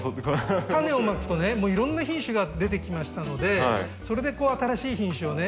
タネをまくとねもういろんな品種が出てきましたのでそれで新しい品種をね